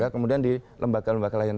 kemudian di lembaga lembaga lain